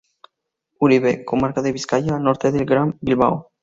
Uribe: comarca de Vizcaya al norte del Gran Bilbao.